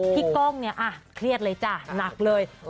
พี่ก้องเครียดเลยจ้ะหนักเลย